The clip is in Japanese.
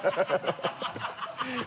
ハハハ